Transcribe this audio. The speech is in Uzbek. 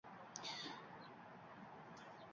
– Vaysinavermagin! Hovliqmachiyam bo‘ldimmi hali?